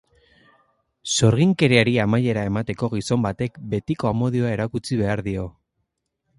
Sorginkeriari amaiera emateko, gizon batek betiko amodioa erakutsi behar dio.